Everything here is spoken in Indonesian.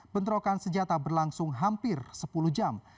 bentrokan senjata berlangsung hampir sepuluh jam